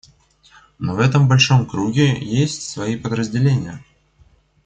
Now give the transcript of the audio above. Но в этом большом круге есть свои подразделения.